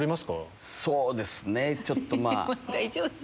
そうですねちょっとまぁ。